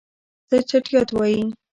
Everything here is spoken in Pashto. څه چټياټ وايي.